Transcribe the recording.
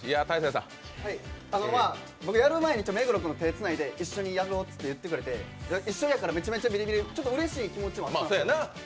僕やる前に目黒君と手つないで一緒にやるぞって言ってくれて一緒やから、めっちゃビリビリ、ちょっとうれしい気持ちもあったんですが。